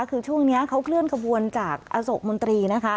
คือช่วงนี้เขาเคลื่อนขบวนจากอโศกมนตรีนะคะ